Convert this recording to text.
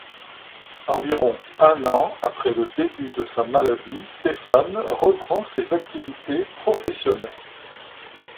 Environ un an après le début de sa maladie, Stéphane reprend ses activités professionnelles.